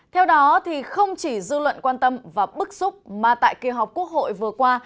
theo đó không chỉ dư luận quan tâm và bức xúc mà tại kỳ họp quốc hội vừa qua